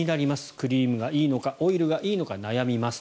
クリームがいいのかオイルがいいのか悩みます。